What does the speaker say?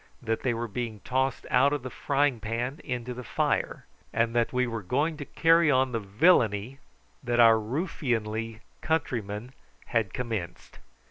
that they were being tossed out of the frying pan into the fire, and that we were going to carry on the villainy that our ruffianly countrymen had commenced.